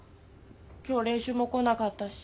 今日練習も来なかったし。